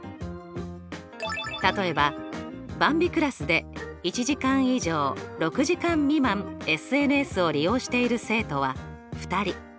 例えばばんびクラスで１時間以上６時間未満ＳＮＳを利用している生徒は２人。